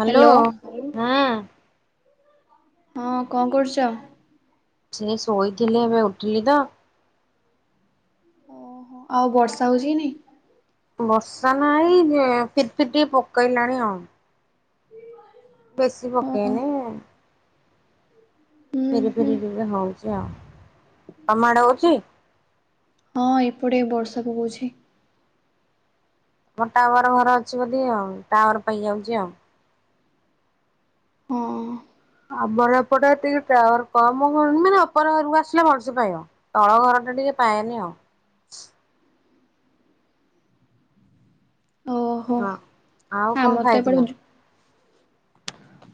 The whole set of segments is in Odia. ହାଲୋ ହ୍ୟାଲୋ ହଁ। ହଁ କଣ କରୁଚ? ସେ ଶୋଇଥିଲି ଏବେ ଉଠିଲି ତ। ଓହୋ ଆଉ ବର୍ଷା ହଉଚି କି ନାଇଁ? ବର୍ଷା ନାହିଁ ଯେ ଫିଟ ଫିରି ଟିକେ ପକେଇଲାଣି ଆଉ। ବେସି ଓହୋ ପକେଇନି। ହୁଁ ଫେରି ହୁଁ ଫେରି ଯେ ହଉଚି ଆଉ ତମଆଡେ ହଉଚି? ଏପଡ଼େ ଟିକେ ବର୍ଷା ପକଉଚି। ଆମ ଟାୱାର ଘର ଅଛି ବୋଲି ଆଉ ଟାୱାର ପାଇ ଯାଉଚି ଆଉ। ହଁ। ଆମର ଏପଟ ଟେ ଟାୱର କମ୍ ହଉ ମାନେ ଆପଣଙ୍କ ଘରକୁ ଆସିଲେ ଭର୍ଷ ପାଇଁ ତଳ ଘର କ ଟିକ ପାୟେନି ଆଉ। ହ ଓହୋ ହଁ ଆଉ ଆମର କଣ ତ ଖାଇଥିଲ? ଏପଟେ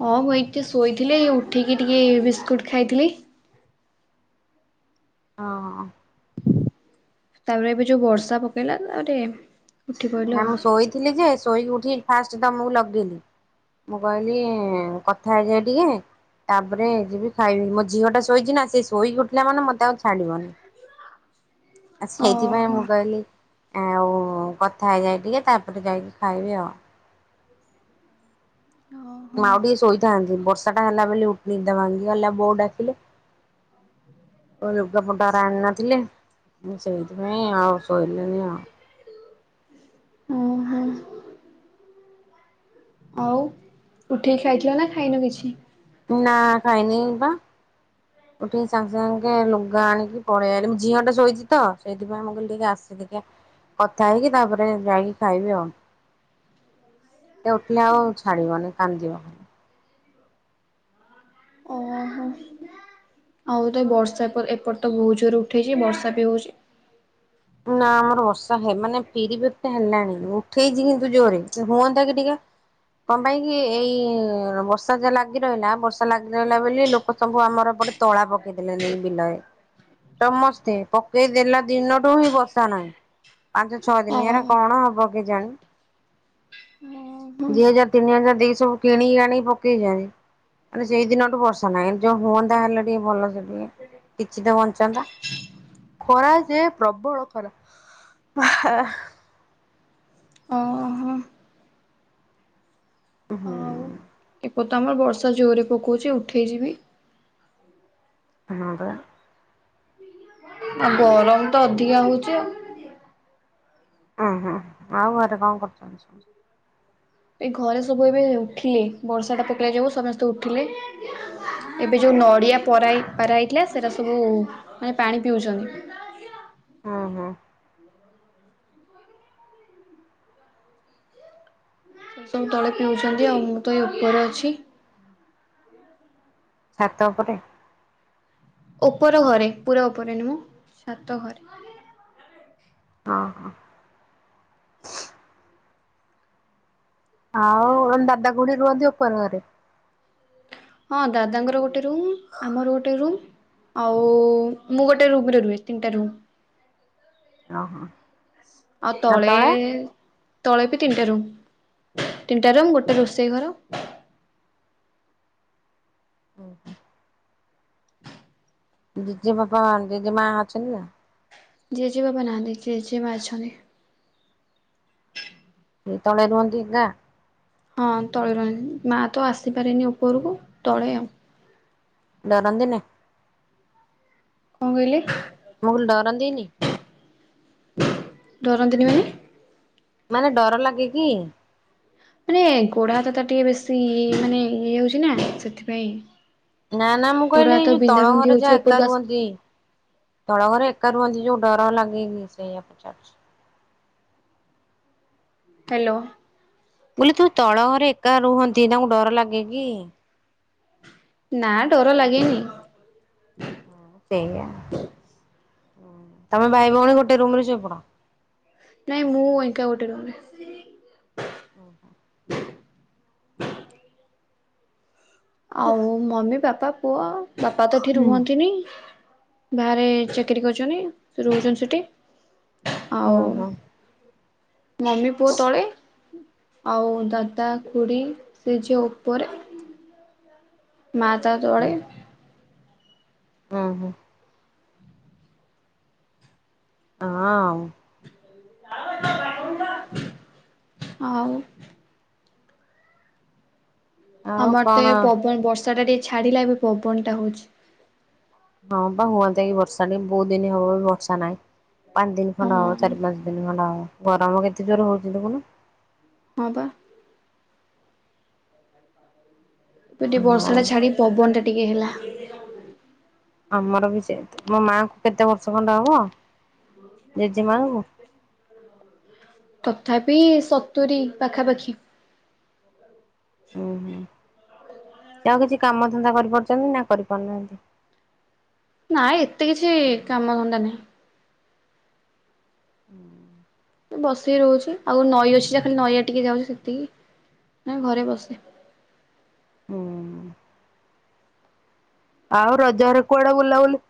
ହଁ ମୁଁ ଏ ଟିକେ ଶୋଇଥିଲି ଉଠିକି ଟିକେ ବିସ୍କୁଟ ଖାଇଥିଲି। ହଁ। ତାପରେ ଏବେ ଯୋଉ ବର୍ଷା ପକେଇଲା ତାପରେ ଉଠି ପଇଲି ନା ଆଉ ମୁଁ ଶୋଇଥିଲି ଯେ ଶୋଇକି ଉଠି ଫାଷ୍ଟ ତମକୁ ଲଗେଇଲିି। ମୁଁ କହିଲି କଥା ହେଇଯାଏ ଟିକେ ତାପରେ ଏ ଯି ବି ଖାଇବି ମୋ ଝିଅ ଟା ଶୋଇଚି ନା ସେ ଶୋଇକି ଉଠିଲା ମାନେ ମତେ ଆଉ ଛାଡିବନି। ହ। ଆ ସେଇଥିପାଇଁ ମୁଁ କହିଲି ଆଉ କ ଥା ହେଇଯାଏ ଟିକେ ତାପରେ ଯାଇକି ଖାଇବି ଆଉ। ଓହୋ ମାଉ ଟିକେ ଶୋଇଥାନ୍ତି ବର୍ଷା ଟା ହେଲା ବ ଉଟନିଦ ଭାଙ୍ଗିଗଲା ବୋଉ ଡାକିଲେ। ଓ ଲୁଗାପଟା ଗୁରା ଆଣି ନଥିଲି। ସେଇିଥି ପାଇଁ ଆଉ ଶୋଇିଲିନୀ। ହଁ ଉଠେଇ ଖାଇଥିଲ ନା ଖାଇନୁ କିଛି? ନା ଖାଇନି ପା। ଉଠିକି ସାଙ୍ଗେ ସାଙ୍ଗେ ଲୁଗା ଆଣିକି ପଳେଇଆଇଲି ମୁଁ ଝିଅ ଟା ଶୋଇଚି ତ ସେଇଥିପାଇଁ ମୁଁ କଇଲି ଟିକେ ଆସେ। ଦେଖିଆ କଥା ହେଇକି ତାପରେ ଯାଇଁକି ଖାଇବି ଆଉ। ସେ ଉଠିଲେ ଆଉ ଅଛି। ଛାଡିବନି କାନ୍ଦିବ ଖାଲି। ଓହୋ ଆଉ ତ ଏ ବର୍ଷା ପରେ ଏପଟ ତ ବହୁତ ଜୋରେ ଉଠେଇଚି ବର୍ଷା ବି ହଉଚି। ନା ଆମର ବର୍ଷା ହେ ମାନେ ପିରି ପିରି ଟା ହେଲାଣି ଉଠେଇଚି କିନ୍ତୁ ଜୋରେ ହୁଅନ୍ତା କି ଟିକେ। କଣ ପାଇଁ କିି ଏଇ ବର୍ଷା ଯା ଲାଗି ରହିଲା ବର୍ଷା ଲାଗି ରହିଲା ବୋଲି ଲୋକ ସବୁ ଆମର ଗୋଟେ ତଳା ପକେଇଦେଲେ ନେଇକି ବିଲରେ ସମସ୍ତେ ପକେଇଦେଲା ଦିନ [unintelligible] ବସା ନାହିଁ ପାଞ୍ଚ ଛଅ ଦିନି ଓହୋ ହେରା କଣ ହବ କେଜାଣି? ଓହୋ ଦି ହଜାର ତିନି ହଜାର ଦେଇ କି ସବୁ କିଣି ଆଣି ପକେଇ ଚନ୍ତି। ମାନେ ସେଇ ଦିନଠୁ ବର୍ଷା ନାହିଁ ଯୋଉ ହୁଅନ୍ତା ହେଲେ ଟିକେ ଭଲ ସେ ଟିକେ। କିଛି ତ ବଞ୍ଚନ୍ତା ଖରା ଯେ ପ୍ରବଳ ଖରା। ଓହୋ ହୁଁ। ଆଉ ତ ଆମର ବର୍ଷା ଜୋରରେ ପକଉଚି ଉଠେଇ ଯିବି। ହଁ ପା। ଆଉ ଗରମ ତ ଅଧିକା ହଉଚି ଆଉ। ଉୁଁ ହୁଁ ଆଉ ଘରେ କଣ କରୁଚନ୍ତି ସମସ୍ତେ? ଏଇ ଘରେ ସବୁ ଏବେ ଉଠିଲେ ବର୍ଷା ଟା ପକେଇଲା ଯୋଗୁ ସମସ୍ତେ ଉଠିଲେ। ଏବେ ଯୋଉ ନଡ଼ିଆ ପରାଇ ପାରାଇଥିଲା ସେରା ସବୁ ମାନେ ପାଣି ପିଉଚନ୍ତି। [unintelligible] ହଁ ହଁ। ସେ ସବୁ ତଳେ ପିଉଚନ୍ତି ଆଉ ମୁଁ ତ ଏଇ ଉପରେ ଅଛି। ଛାତ ଉପରେ? ଉପର ଘରେ ପୁରା ଉପରେ ନୁହଁ ମୁଁ ଛାତ ଘରେ। ହଁ ହଁ। ଆଉ ଦାଦା ଖୁଡି ରୁଅନ୍ତି ଓପର ଘରେ। ହଁ ଦାଦାଙ୍କର ଗୋଟେ ରୁମ୍ ଆମର ଗୋଟେ ରୁମ୍। ଆଉ ମୁଁ ଗୋଟେ ରୁମରେ ରୁହେ ତିନିଟା ରୁମ୍। ଓ ହୋ। ଆଉ ତଳେ ତଳେ ବି ତିନିଟା ରୁମ୍ ତିନିଟା ରୁମ୍ ଗୋଟେ ରୋଷେଇ ଘର। ହୁଁ। ଜେଜେ ବାପା ଜେଜେ ମା ଅଛନ୍ତି ନା? ଜେଜେ ବାପା ନାହାଁନ୍ତି ଜେଜେ ମା ଅଛନ୍ତି। ସେ ତଳେ ରୁହନ୍ତି ନା? ହଁ ତଳେ ରୁହ ମା ତ ଆସିପାରେନି ଓପରକୁ ତଳେ ଆଉ। ଡରନ୍ତି ନା? କଣ କଇଲେ? ଡରନ୍ତିନି? ଡରନ୍ତିନି ମାନେ ମାନେ ଡର ଲାଗେ କି? ମାନେ ଗୋଡ଼ ହାତ ତାର ଟିକେ ବେଶୀ ମାନେ ଇଏ ହଉଚି ନା ସେଥିପାଇଁ ନା ନା ମୁଁ ଗୋଡ କଇଲି ହାତ ଏଇ ଯୋଉ ବିନ୍ଧା ତଳ ବିନ୍ଧି ଘରେ ହଉଛି ଯାହା ଏକା ଉପରକୁ ଆସି ରୁହନ୍ତି ତଳ ଘରେ ଏକା ରୁହନ୍ତି ଯୋଉ ଡର ଲାଗେ କି ସେଇଆ ପଚାରୁଚି? ହାଲୋ। ବୋଇଲେ ତୁ ତଳ ଘରେ ଏକା ରୁହନ୍ତି ତାଙ୍କୁ ଡର ଲାଗେ କି? ନା ଡର ଲାଗେନି। ହଁ ସେଇଆ। ତମେ ଭାଇ ଭଉଣୀ ଗୋଟେ ରମରେ ସୋଇପଡ଼। ନାଇଁ ମୁଁ ଏଙ୍କା ଗୋଟେ ରୁମରେ। ଓହୋ। ଆଉ ମମି ବାପା ପୁଅ ବାପା ତ ଏଠି ରୁହନ୍ତିନି। ବାହାରେ ଚାକିରି କରୁଛନ୍ତି ସେ ରହୁଛନ୍ତି ସେଠି ଆଉ ଓହୋ ମମି ପୁଅ ତଳେ ଆଉ ଦାଦା ଖୁଡି ସେ ଝିଅ ଉପରେ ମାତା ତଳେ ହୁଁ ହୁଁ। ହଁ। [inaudible] ଆଉ ଆଉ ଆମର ତ କଣ ଏ ପବନ ବର୍ଷା ଟା ଟିକେ ଛାଡିଲା ଏ ବି ପବନ ଟା ହଉଛି। ହଁ ବା ହୁଅନ୍ତା କି ବର୍ଷା ଟ ବହୁତ ଦିନ ହବ ବର୍ଷା ନାହିଁ। ପାଞ୍ଚ ଦିନ ଖଣ୍ଡା ହଁ ହବ ଚାରି ହଁ ପାଞ୍ଚ ଦିନ ଖଣ୍ଡା ହବ ଗରମ କେତେ ଜୋର ହଉଛି ଦଖୁନୁ। ହଁ ବା। ତ ଟିକେ ହଉ ବର୍ଷା ଟା ଛାଡି ପବନ ଟା ଟିକେ ହେଲା। ଆମର ବି ସେ ମୋ ମାଆଙ୍କୁ କେତେ ବର୍ଷ ଖଣ୍ଡେ ହବ। ଜେଜେମାଙ୍କୁ [unintelligible] ତଥାପି ସତୁୁରୀ ପାଖାପାଖି। ଉୁଁ ହୁଁ [inaudible] ଆଉ କିଛି କାମ ଧନ୍ଦା କରିପାରୁଛନ୍ତି ନା କରିପାରୁନାହାନ୍ତି? ନାଇଁ ଏତେ କିଛି କାମ ଧନ୍ତା ନାାଇଁ। ହୁଁ। ବସିକି ରହୁଛି ଆଉ ନଈ ଅଛି ଯାହା ଖାଲି ନଈଆ ଟିକେ ଯାଉଛି ସେତିକି। ନା ଘରେ ବସେ। ହୁଁ। ଆଉ ରଜ ଘରେ କୁଆଡେ ବୁଲାବୁଲି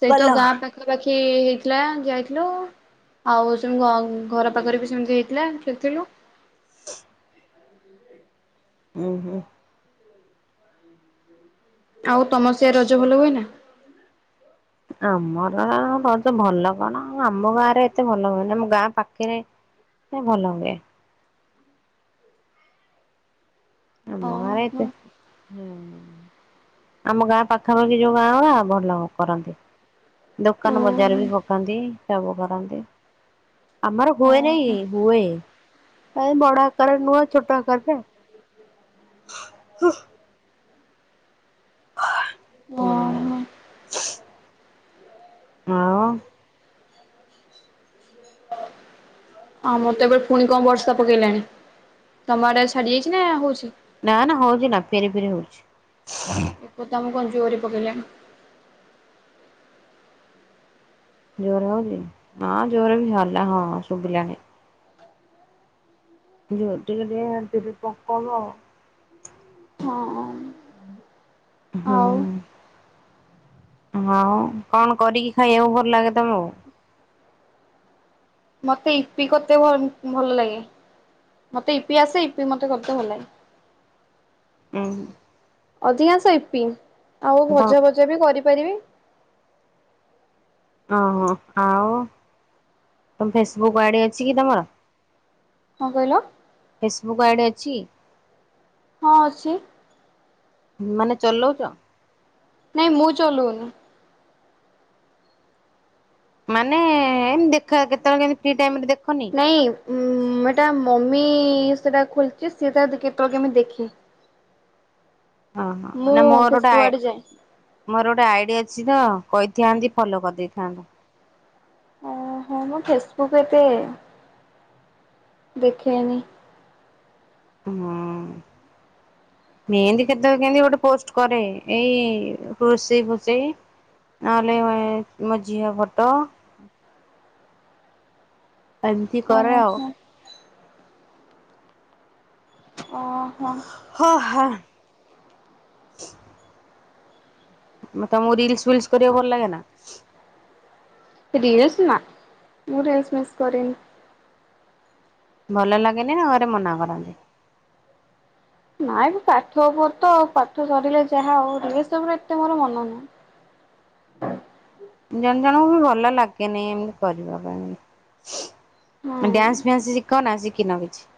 ସେଇ ତ କଲ? ଗାଁ ପାଖାପାଖି ହେଇଥିଲା ଯାଇଥିଲୁ। ଆଉ ସେ ଘର ପାଖରେ ବି ସେମିତି ହେଇଥିଲା ସେଥିଲୁ [inaudible] ଉଁ ହୁଁ ଆଉ ତମସିଆ ରଜ ଭଲ ହୁଏ ନା। ଆମର ତ ଭଲ କଣ ଆମ ଗାଁ ରେ ଏତେ ଭଲ ହୁଏନା ଆମ ଗାଁ ପାଖରେ ସେ ଭଲ ହୁଏ। ଆ ହଁ ମରେତ ହୁଁ ଆମ ଗାଁ ପାଖାପାଖି ଯୋଉ ଗାଁ ଭଲ କରନ୍ତି। ଦୋକାନ ବଜାର ଓହୋ ବି ପକାନ୍ତି ସବୁ କରନ୍ତି। ଆମର ହୁଏ ନାଇଁ ଓହୋ ହୁଏ। ଆ ବଡ ଆକାର ରେ ନୁହ ଛୋଟ ଆକରରେ ଓହୋ। ହୁଁ। ହଁ। ହଁ ମୁଁ ତ ଏବେ ପୁଣି କଣ ବର୍ଷା ପକେଇଲାଣି ତମ ଆଡ଼େ ଛାଡି ଯାଇଛି ନା ହଉଛି? ନା ନା ହଉଛି ନା ଫେରି ଫେରି ହଉଛି। ଏପ ତମ ଜୋରି ପକେଇଲାଣି। ଜୋର ହି ହଁ ଜୋର ବି ହଲା ହଁ ଶୁଭିଲାନି। ଜୋର୍ ଟିକେ ଟିକେ ପକାଉ ହଁ। ହୁଁ। ଆଉ ହଁ କଣ କରିକି ଖାଇବାକୁ ଭଲ ଲାଗେ ତମକୁ? ମତେ ଇପି କତେ ଭଲ ଲାଗେ। ମତେ ଇପି ଆସେ ଇପି ମତେ କରଦେ ଭଲଲାଗେ। ଉଁ ହୁଁ। ଅଧିକାଂଶ ଇପି ଆଉ ତ ଭଜା ଭଜା ବି କରିପାରିବି। ଓହୋ ଆଉ ତମ ଫେସବୁକ୍ ଆଇଡି ଅଛି କି ତମର? କଣ କହିଲ? ଫେସବୁକ୍ ଆଇଡି ଅଛି? ହଁ ଅଛି। ମାନେ ଚଲଉଛ। ନାଇଁ ମୁଁ ଚଲୋଉନି। ମାନେ ଏମି ଦେଖା କେତେବେଳେ କେମିତି ଫ୍ରି ଟାଇମରେ ଦେ ନାଇଁ ଉଁ ଏଟା ମମି ସେଟା ଖୋଲିଚି ସିଏ ତାର କେତେବେଳେ କେମିତି ଦେଖେ। ହଁ ହଁ ନା ମୁଁ ମୋର ଗୋଟେ ଫେସବୁକ୍ ଆ ଆଡେ ଯାଏ। ମୋର ଗୋଟେ ଆଇଡି ଅ ଛିତ କହିଥାନ୍ତି ଫଲୋ କରିଦେଇଥାନ୍ତ। ଓ ହୋ ମୁଁ ଫେସବୁକ୍ ଏତେ ଦେଖେନି। ହୁଁ। ହ [inaudible] ମେହେନ୍ଦି କେତେବେଳେ କେମତି ଗୋଟେ ପୋଷ୍ଟ କରେ ଏଇ ନହେଲେ ମୋ ଝିଅ ଫଟ। ଏମିତି ଓହୋ କରେ ଆଉ। ଓହୋ ହ ହା ତମକୁ ରିଲସ ଫିଲସ କରିବାକୁ ଭଲ ଲାଗେ ନା? ରିଲସ ନା ମୁଁ ରିଲସ ମିଲସ କରେନି। ଭଲ ଲାଗେନି ନା ଘରେ ମନା କରନ୍ତି? ନାଇଁ ଏବେ ପାଠ ପାଠ ପାଠ ସରିଲେ ଯାହା ଆଉ ରିଲସ ତ ମୋର ଏତେ ମୋର ମନ ନୁହୁଁ। ହଁ [inaudible] ଜଣେ ଜଣଙ୍କୁ ବି ଭଲ ଲାଗେନି ଏମତି କରିବା ପାଇଁ। ହୁଁ ଡ୍ୟାନ୍ସ ଫ୍ୟାନ୍ସ ଶିଖ ନା ଶିଖିନ କିଛି?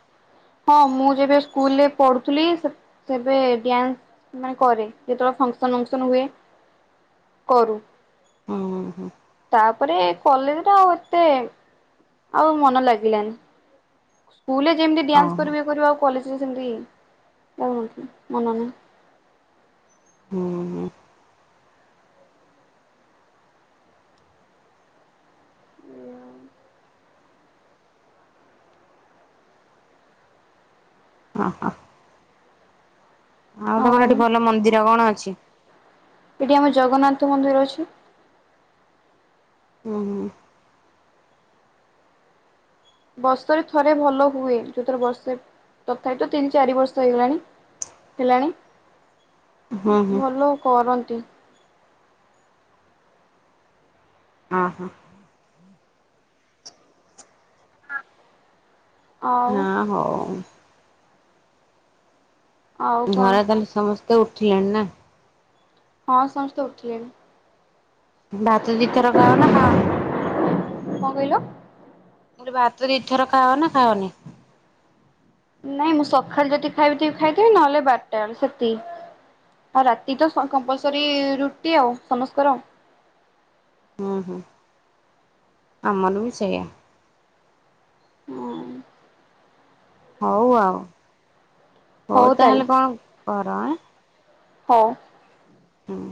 ହଁ ମୁଁ ଯେବେ ସ୍କୁଲରେ ପଢୁଥିଲି ସେ ସେବେ ଡ୍ୟାନ୍ସ ମାନେ କରେ ଯେତେବେ ଫଙ୍କସନ୍ ମଙ୍କସନ୍ ହୁଏ କରୁ। ହୁଁ ହୁଁ। ତାପରେ କଲେଜରେ ଆଉ ଏତେ ଆଉ ମନ ଲାଗିଲାନି। ସ୍କୁଲରେ ଯେମିତି ଓହୋ ଡାନ୍ସ କରିବେ କରିବେ ଆଉ କଲେଜ କୁ ସେମିତି ମୋର ମନ ନାହିଁ ମନର ନାହିଁ। ହୁଁ ହୁଁ ହଁ ହଁ। ଆଉ ତମର ଏଠି ଭଲ ମନ୍ଦିର କଣ ଅଛି? ଏଠି ଆମ ଜଗନ୍ନାଥ ମନ୍ଦିର ଅଛି। ହୁଁ ହୁଁ ବର୍ଷରେ ଥରେ ଭଲ ହୁଏ ଯୋଉ ଥର ବର୍ଷେ ତଥାପି ତ ତିନି ଚାରି ବର୍ଷ ହେଇଗଲାଣି। ହେଲାଣି ହୁଁ ହୁଁ ଭଲ କରନ୍ତି। ହଁ ହଁ। ଆଉ ହଁ ହୋଉ। ଆଉ କଣ ଘରେ ତାହେଲେ ସମସ୍ତେ ଉଠିଲେଣି ନା ହଁ ସମସ୍ତେ ଉଠିଲେଣି। ଭାତ ଦି ଥର ଖାଅ ନା ଖାଅନି? କଣ କହିଲ? ମୁଁ କହିଲି ଭାତ ଦି ଥର ଖାଅ ନା ଖାଅନି? ନାଇଁ ମୁଁ ସକାଳୁ ଯଦି ଖାଇଥିବି ଖାଇଥିବି ନହେଲେ ବାରଟା ବେଳେ ସେତିକି। ଆଉ ରାତି ତ କମ୍ପଲସରୀ ରୁଟି ଆଉ ସମସ୍ତକର। ହୁଁ ହୁଁ ଆମର ବି ସେଇଆ। ଅଂଗ। ହୋଉ ଆଉ ହଉ ହୋଉ ତାହେଲେ କଣ କର ଆଁ। ହୋଉ ହୁଁ